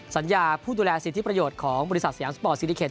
สัญญาผู้ดูแลสิทธิประโยชน์ของบริษัทสยามสปอร์ตซิลิเค